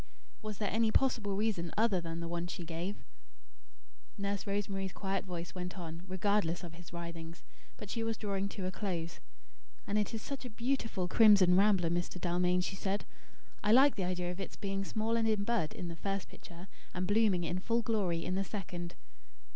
Was there any possible reason other than the one she gave? Nurse Rosemary's quiet voice went on, regardless of his writhings. But she was drawing to a close. "And it is such a beautiful crimson rambler, Mr. Dalmain," she said. "I like the idea of its being small and in bud, in the first picture; and blooming in full glory, in the second."